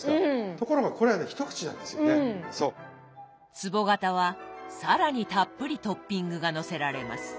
つぼ型は更にたっぷりトッピングがのせられます。